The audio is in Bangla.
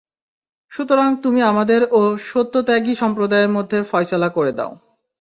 সুতরাং তুমি আমাদের ও সত্যত্যাগী সম্প্রদায়ের মধ্যে ফয়সালা করে দাও।